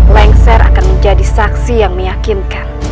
lengser akan menjadi saksi yang meyakinkan